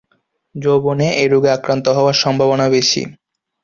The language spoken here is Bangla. যৌবনে এই রোগে আক্রান্ত হওয়ার সম্ভাবনা বেশি।